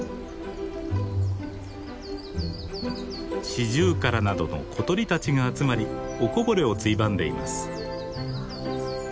シジュウカラなどの小鳥たちが集まりおこぼれをついばんでいます。